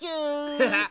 ハハッ。